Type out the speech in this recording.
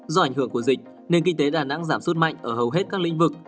do ảnh hưởng của dịch nền kinh tế đà nẵng giảm suất mạnh ở hầu hết các lĩnh vực